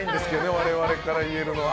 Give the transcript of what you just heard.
我々から言えるのは。